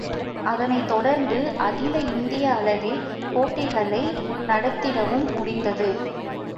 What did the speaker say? அதனைத் தொடர்ந்து, அகில இந்திய அளவில் போட்டிகளை நடத்திடவும் முடிந்தது.